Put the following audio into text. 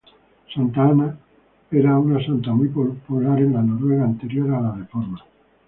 Santa Ana era una santa muy popular en la Noruega anterior a la reforma.